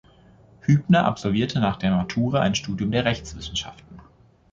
Hübner absolvierte nach der Matura ein Studium der Rechtswissenschaften.